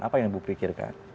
apa yang ibu pikirkan